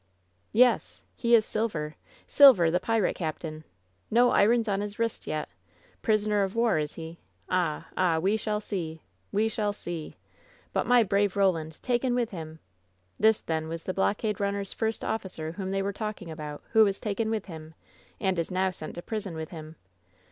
"Yes! He is Silver — Silver, the pirate captain! No irons on his wrists yet ! Prisoner of war, is he ? Ah ! ah ! we shall see — we shall see! But my brave Roland! Taken with him! This, then was the blockade runner's first officer whom they were talking about, who was taken with him, and is now sent to prison with him!